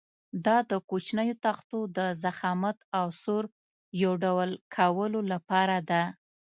دا د کوچنیو تختو د ضخامت او سور یو ډول کولو لپاره ده.